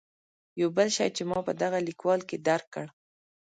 یو بل شی چې ما په دغه لیکوال کې درک کړ.